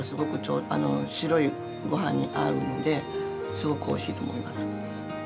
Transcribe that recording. すごくおいしいと思います。